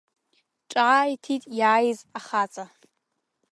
Ҿааиҭит иааиз ахаҵа.